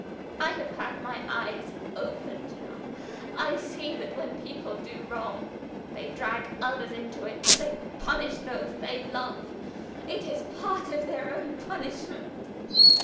I have had my eyes opened now. I see that when people do wrong they drag others into it they punish those they love it is part of their own punishment."